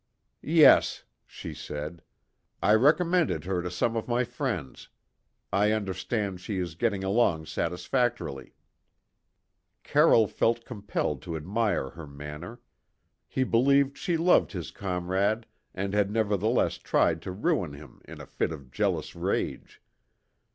"Yes," she said; "I recommended her to some of my friends. I understand she is getting along satisfactorily." Carroll felt compelled to admire her manner. He believed she loved his comrade and had nevertheless tried to ruin him in a fit of jealous rage.